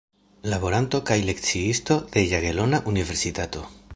Laboranto kaj lekciisto de Jagelona Universitato.